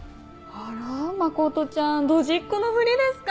あら真ちゃんドジっ子のふりですか？